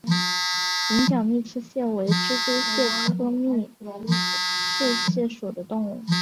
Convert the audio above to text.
羚角密刺蟹为蜘蛛蟹科密刺蟹属的动物。